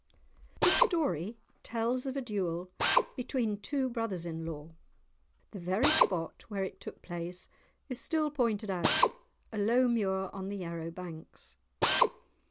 The story tells of a duel between two brothers in law. The very spot where it took place is still pointed out, a low muir on the Yarrow banks.